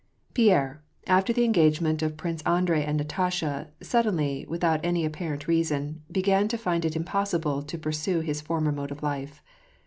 PiERBE, after the engagement of Prince Andrei and Natasha, suddenly, without any apparent reason, began to find it impos sible to pursue his former mode of life.